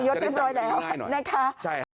เอาอย่างนี้ไว้ด้วยนะครับแน็ตค่ะ